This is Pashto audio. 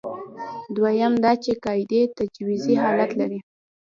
دویم دا چې قاعدې تجویزي حالت لري.